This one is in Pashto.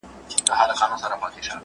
دا څومره خوند کوي.